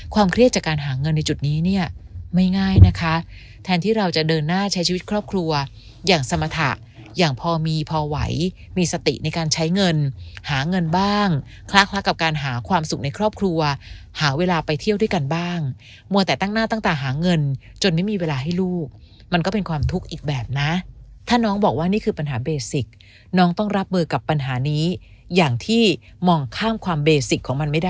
ความเครียดจากการหาเงินในจุดนี้เนี่ยไม่ง่ายนะคะแทนที่เราจะเดินหน้าใช้ชีวิตครอบครัวอย่างสมถะอย่างพอมีพอไหวมีสติในการใช้เงินหาเงินบ้างคล้ากับการหาความสุขในครอบครัวหาเวลาไปเที่ยวด้วยกันบ้างมัวแต่ตั้งหน้าตั้งแต่หาเงินจนไม่มีเวลาให้ลูกมันก็เป็นความทุกข์อีกแบบนะถ้าน้องบอกว่าน